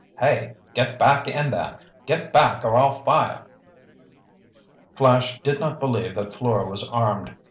"Hey, get back in there! Get back or I'll fire!" Flash did not believe that Fleur was armed.